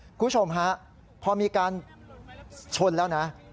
คุณผู้ชมฮะพอมีการชนแล้วนะ